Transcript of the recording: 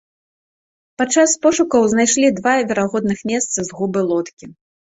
Падчас пошукаў знайшлі два верагодных месцы згубы лодкі.